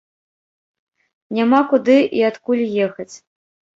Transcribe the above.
Няма куды і адкуль ехаць.